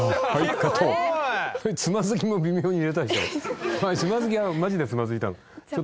カットつまずきはマジでつまずいたの？